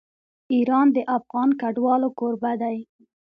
ایران د افغان کډوالو کوربه دی.